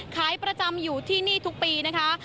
ขายประจำอยู่ที่นี่ทุกปีนะคะ